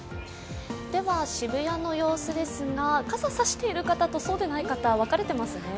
では渋谷の様子ですが傘、差してる人とそうでない方、分かれていますね。